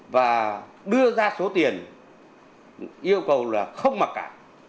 và đưa ra số tiền yêu cầu là không mặc cả